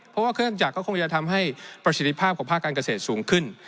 เพราะว่าเครื่องจักรก็คงจะทำให้ประสิทธิภาพของภาคการเกษตรสูงขึ้น